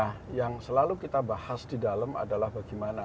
nah yang selalu kita bahas di dalam adalah bagaimana